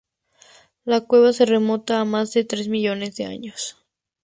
La cueva se remonta a más de tres millones de años.